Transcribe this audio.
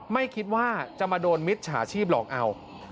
ไม่คิดว่าจะมาโดนมิจฉาชีพหลอกเอา